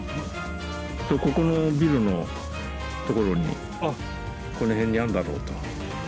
ここのビルの所にこの辺にあるんだろうと。